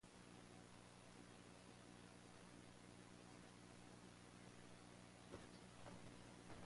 In her will, Martha Graham left Ron Protas as heir to her estate.